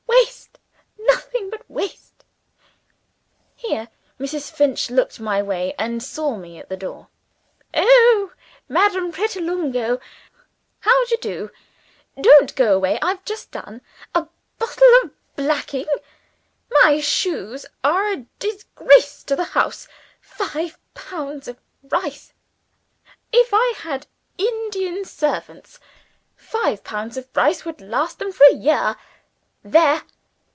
Waste, nothing but waste." Here Mrs. Finch looked my way, and saw me at the door. "Oh? Madame Pratolungo? How d'ye do? Don't go away I've just done. A bottle of blacking? My shoes are a disgrace to the house. Five pounds of rice? If I had Indian servants, five pounds of rice would last them for a year. There!